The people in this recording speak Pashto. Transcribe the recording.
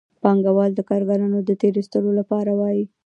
پانګوال د کارګرانو د تېر ایستلو لپاره وايي